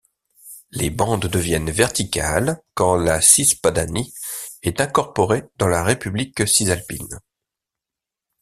Les bandes deviennent verticales quand la Cispadanie est incorporée dans la République cisalpine.